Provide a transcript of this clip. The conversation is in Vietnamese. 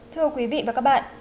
thưa quý vị và các bạn